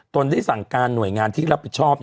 ตนได้สั่งการหน่วยงานที่รับผิดชอบ